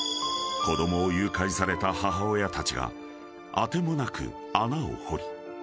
［子供を誘拐された母親たちが当てもなく穴を掘り